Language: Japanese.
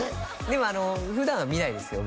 でもあの普段は見ないですよ